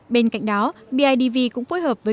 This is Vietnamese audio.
bên cạnh đó bidv cũng phối hợp với